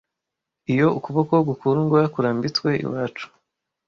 Iyo ukuboko gukundwa kurambitswe iwacu,